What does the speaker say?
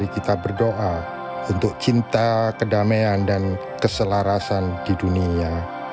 kita berdoa untuk cinta kedamaian dan keselarasan di dunia